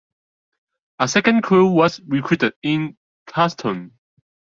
A second crew was recruited in Charleston.